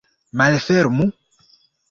Malfermu!